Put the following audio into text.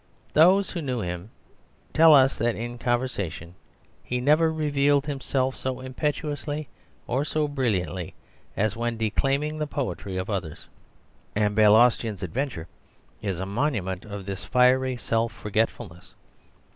Those who knew him tell us that in conversation he never revealed himself so impetuously or so brilliantly as when declaiming the poetry of others; and Balaustion's Adventure is a monument of this fiery self forgetfulness.